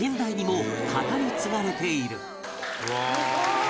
すごい！